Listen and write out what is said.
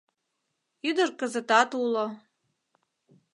Ӱдыр кызытат уло...